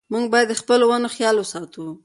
موږ باید د خپلو ونو خیال وساتو.